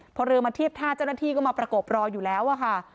พอเรือมาเทียบท่าเจ้าหน้าที่ก็มาประกบรออยู่แล้วอะค่ะ